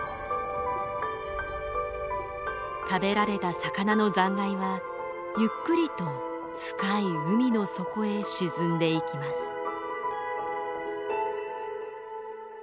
食べられた魚の残骸はゆっくりと深い海の底へ沈んでいきます。